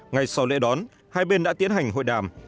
ngay sau lễ đón hai bên đã tiến hành hội đàm